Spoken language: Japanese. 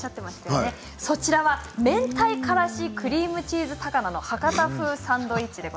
華丸さん、そちらはめんたいからしクリームチーズ高菜の博多風サンドイッチです。